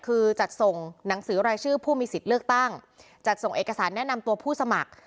คือจัดส่งหนังสือรายชื่อผู้มีสิทธิ์เลือกตั้งจัดส่งเอกสารแนะนำตัวผู้สมัคร